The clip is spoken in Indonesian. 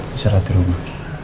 bisa rati rumah